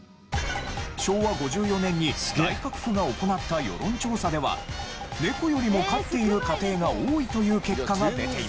昭和５４年に内閣府が行った世論調査では猫よりも飼っている家庭が多いという結果が出ています。